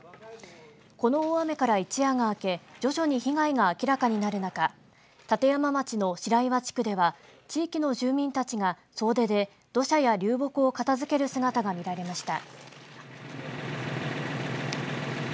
この大雨から一夜が明け徐々に被害が明らかになる中立山町の白岩地区では地域の住民たちが総出で土砂や流木を片づける姿が見られました。